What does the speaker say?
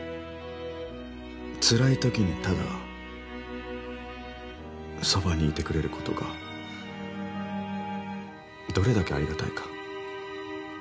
つらいときにただそばにいてくれることがどれだけありがたいか。